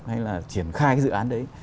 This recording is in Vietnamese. hay là triển khai dự án đấy